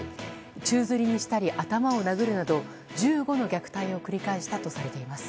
宙づりにしたり、頭を殴るなど１５の虐待を繰り返したとされています。